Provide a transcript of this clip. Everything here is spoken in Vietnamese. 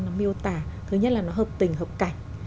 nó miêu tả thứ nhất là nó hợp tình hợp cảnh